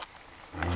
うん。